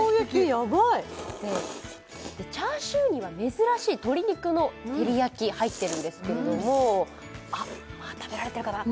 やばいチャーシューには珍しい鶏肉の照り焼き入ってるんですけれどもあっ食べられてるかな？